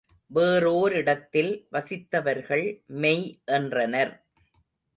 வேறோரிடத்தில் வசித்தவர்கள் மெய் என்றனர்.